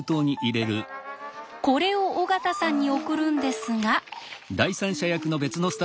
これを尾形さんに送るんですが。